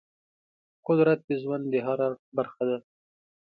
قدرت د ژوند د هر اړخ برخه ده.